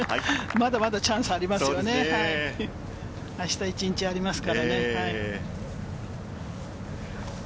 まだまだチャンスはありますよね、あした１日ありますからね。